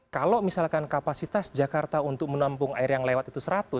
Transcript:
kalau misalkan kapasitas jakarta untuk menampung air yang lewat itu seratus